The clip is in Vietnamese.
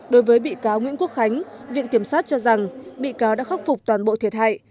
đối với bị cáo nguyễn quốc khánh viện kiểm sát cho rằng bị cáo đã khắc phục toàn bộ thiệt hại